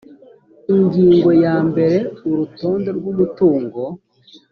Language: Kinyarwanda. ingingo ya mbere urutonde rw’umutungo